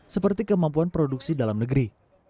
seperti kemampuan produksi dalam negeri